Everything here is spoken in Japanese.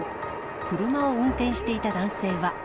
車を運転していた男性は。